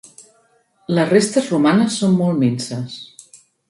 Les restes romanes són molt minses.